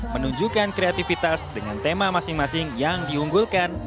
menunjukkan kreativitas dengan tema masing masing yang diunggulkan